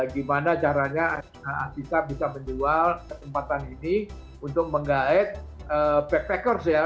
gimana caranya kita bisa menjual tempatan ini untuk mengait backpackers ya